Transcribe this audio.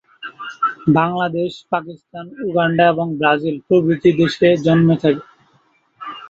Bangladesh, Pakistan, Uganda এবং Brazil প্রভৃতি দেশে জন্মে থাকে।